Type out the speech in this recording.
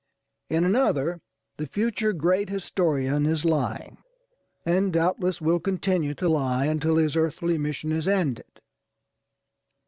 In another the future great historian is lyingâ€"and doubtless will continue to lie until his earthly mission is ended.